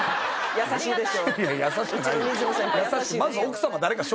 優しいでしょ？